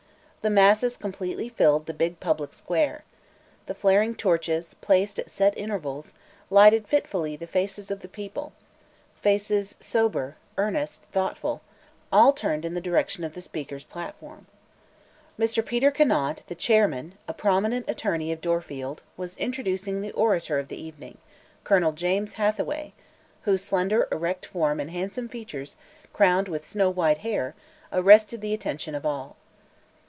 The masses completely filled the big public square. The flaring torches, placed at set intervals, lighted fitfully the faces of the people faces sober, earnest, thoughtful all turned in the direction of the speakers' platform. Mr. Peter Conant, the Chairman, a prominent attorney of Dorfield, was introducing the orator of the evening, Colonel James Hathaway, whose slender, erect form and handsome features crowned with snow white hair, arrested the attention of all.